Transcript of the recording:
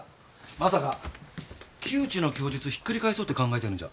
まさか木内の供述引っくり返そうって考えてるんじゃ？